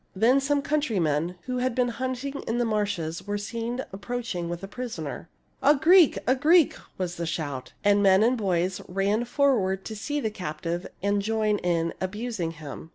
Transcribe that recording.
Then some countrymen, who had been hunting in the marshes, were seen ap proaching with a prisoner. " A Greek ! a Greek !" was the shout ; and men and boys ran forward to see the captive and join in abusing him.